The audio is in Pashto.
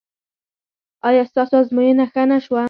ایا ستاسو ازموینه ښه نه شوه؟